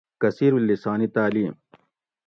کثیرالسانی تعلیم